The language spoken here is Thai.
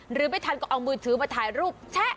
หรือไม่ทันก็เอามือถือมาถ่ายรูปแชะ